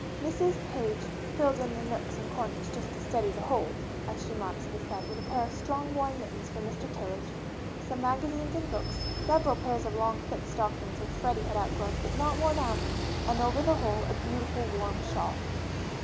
Mrs. Page "filled in the nooks and corners just to steady the whole," as she modestly said, with a pair of strong warm mittens for Mr. Tillage, some magazines and books, several pairs of long thick stockings which Freddie had outgrown but not worn out, and over the whole a beautiful warm shawl.